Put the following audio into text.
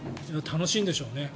楽しいんでしょうね。